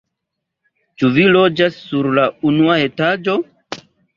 Ĉu vi loĝas sur la unua etaĝo?